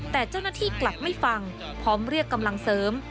แต่เจ้าหน้าที่กลับไม่ฟังพร้อมเรียกกำลังเสริม